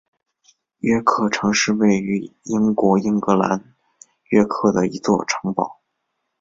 约克城是位于英国英格兰约克的一座城堡。